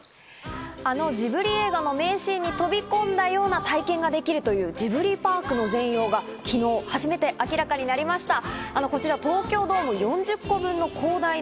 あのジブリ映画の名シーンに飛び込んだような体験ができるというジブリパークの全容が昨日初めて明らかになりました。